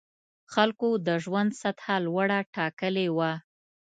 خلکو د ژوند سطح لوړه ټاکلې وه.